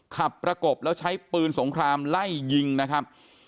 ประกบแล้วใช้ปืนสงครามไล่ยิงนะครับ